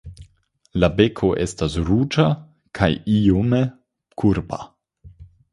La beko estas ruĝa kaj iome kurba.